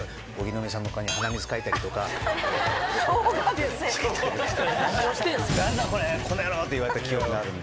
描いたりとか。って言われた記憶があるんで。